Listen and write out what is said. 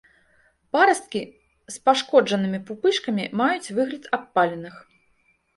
Парасткі з пашкоджанымі пупышкамі маюць выгляд абпаленых.